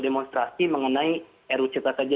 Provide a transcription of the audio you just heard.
demonstrasi mengenai ru cipta